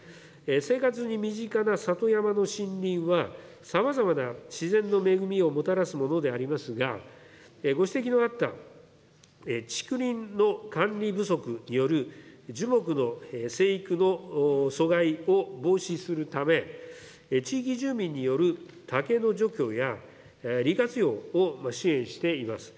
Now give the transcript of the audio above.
生活に身近な里山の森林は、さまざまな自然の恵みをもたらすものでありますが、ご指摘のあった、竹林の管理不足による樹木の生育の阻害を防止するため、地域住民による竹の除去や、利活用を支援しています。